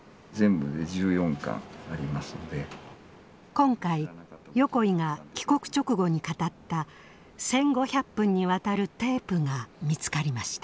今回横井が帰国直後に語った１，５００分にわたるテープが見つかりました。